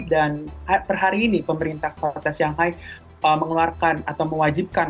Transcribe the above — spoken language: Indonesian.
dan per hari ini pemerintah kota shanghai mengeluarkan atau mewajibkan